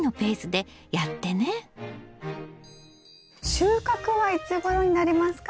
収穫はいつごろになりますか？